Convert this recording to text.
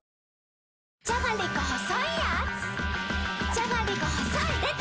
じゃがりこ細いでた‼